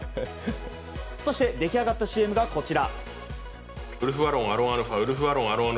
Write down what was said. そして、出来上がったＣＭがこちら。